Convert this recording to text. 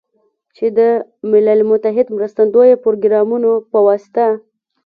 چې د ملل متحد مرستندویه پروګرامونو په واسطه